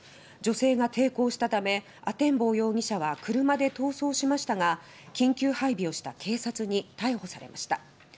女性が抵抗したため阿天坊容疑者は車で逃走しましたが緊急配備をした警察に逮捕されました。